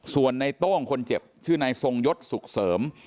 ส่วนในโต้งคนเจ็บชื่อนายทรงยศสุขเสริม